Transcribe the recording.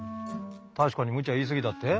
確かにむちゃ言い過ぎたって？